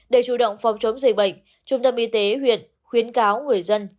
để chủ động phòng chống dịch bệnh trung tâm y tế huyện khuyến cáo người dân